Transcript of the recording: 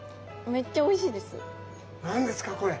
めっちゃおいしいです何ですかこれ？